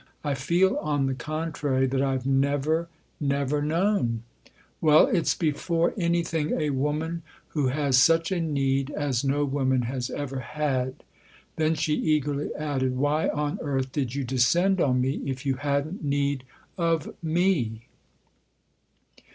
" I feel, on the contrary, that I've never, never known !" "Well, it's before anything a woman who has such a need as no woman has ever had." Then she eagerly added :" Why on earth did you descend on me if you hadn't need of me